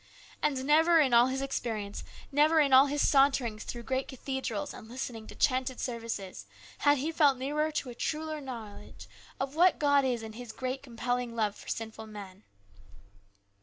And never in all his experience, never in all his saunterings through great cathedrals and listening to chanted services, had he felt nearer to a truer knowledge of what God is in His great compelling love for sinful men.